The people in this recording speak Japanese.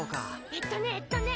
えっとねえっとね。